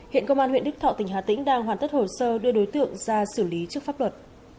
hiện công an huyện đức thọ tỉnh hà tĩnh đang hoàn tất hồ sơ đưa đối tượng ra xử lý trước pháp luật